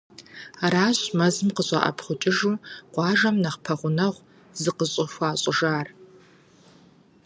Аращ мэзым къыщӏэӏэпхъукӏыжу къуажэм нэхъ пэгъунэгъу зыкъыщӏыхуащӏыжар.